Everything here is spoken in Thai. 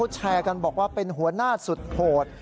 แชร์กันบอกว่าเป็นหัวหน้าสุดโหด